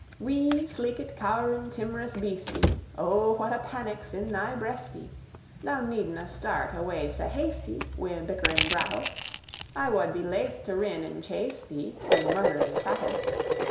Wee, sleekit, cow'rin', tim'rous beastie, Oh, what a panic's in thy breastie! Thou needna start awa' sae hasty, Wi' bickering brattle! I wad be laith to rin and chase thee, Wi' murd'ring pattle!